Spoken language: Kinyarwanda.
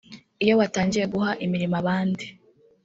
iyo watangiye guha imirimo abandi